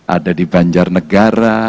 ada di banjarnegara